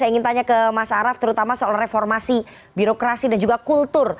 saya ingin tanya ke mas araf terutama soal reformasi birokrasi dan juga kultur